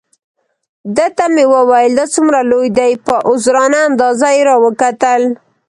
ده ته مې وویل: دا څومره لوی دی؟ په عذرانه انداز یې را وکتل.